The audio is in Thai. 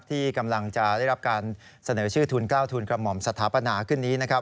ที่กำลังจะได้รับการเสนอชื่อทุน๙ทุนกระหม่อมสถาปนาขึ้นนี้นะครับ